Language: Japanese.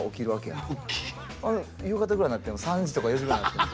夕方ぐらいになって３時とか４時ぐらいになってる。